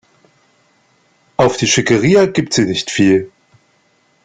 Auf die Schickeria gibt sie nicht viel.